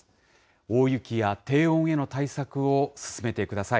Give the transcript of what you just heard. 大雪や低温への対策を進めてください。